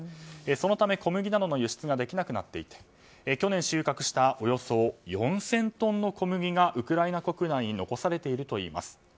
そのため小麦などの輸出ができなくなっていて去年収穫したおよそ４０００トンの小麦がウクライナ国内に残されているといいます。